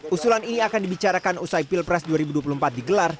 usulan ini akan dibicarakan usai pilpres dua ribu dua puluh empat digelar